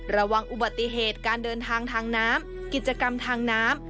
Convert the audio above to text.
ระวังอุบัติเหตุการเดินทางทางน้ำกิจกรรมทางน้ำ